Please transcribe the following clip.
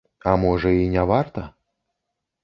А можа, і не варта?